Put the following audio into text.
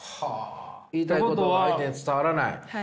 言いたいことが相手に伝わらない？